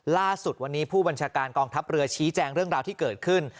ล่าสุดวันนี้ผู้บัญชาการกองทัพเรือชี้แจงเรื่องราวที่เกิดขึ้น